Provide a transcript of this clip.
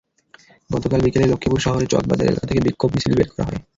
গতকাল বিকেলে লক্ষ্মীপুর শহরের চকবাজার এলাকা থেকে বিক্ষোভ মিছিল বের করা হয়।